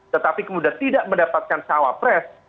tetapi kemudian tidak mendapatkan sawah pres